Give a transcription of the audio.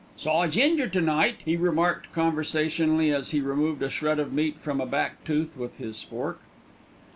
"Saw Ginger to day," he remarked conversationally, as he removed a shred of meat from a back tooth with his fork.